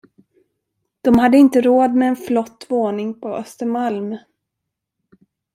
De hade inte råd med en flott våning på Östermalm.